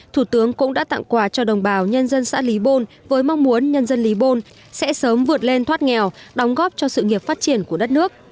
thủ tướng cũng đã tặng quà cho đồng bào nhân dân xã lý bôn với mong muốn nhân dân lý bôn sẽ sớm vượt lên thoát nghèo đóng góp cho sự nghiệp phát triển của đất nước